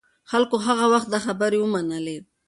خلکو هغه وخت دا خبرې ومنلې.